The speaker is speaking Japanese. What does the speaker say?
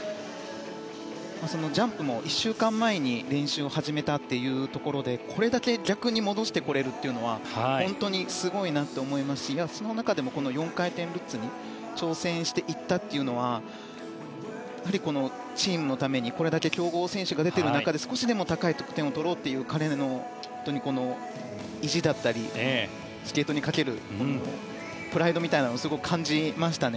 ジャンプも１週間前に練習を始めたということでこれだけ逆に戻してこれるというのは本当にすごいなって思いますしその中でも４回転ルッツに挑戦していったというのはチームのためにこれだけ強豪選手が出ている中で少しでも高い得点を取ろうという彼の意地だったりスケートにかけるプライドみたいなものを感じましたね。